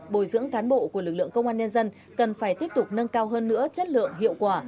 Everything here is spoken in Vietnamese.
bồi dưỡng cán bộ của lực lượng công an nhân dân cần phải tiếp tục nâng cao hơn nữa chất lượng hiệu quả